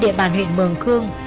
trên địa bàn huyện mường khương